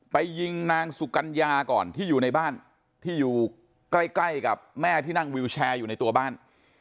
ไปยิงนางสุกัญญาก่อนที่อยู่ในบ้านที่อยู่ใกล้ใกล้กับแม่ที่นั่งวิวแชร์อยู่ในตัวบ้าน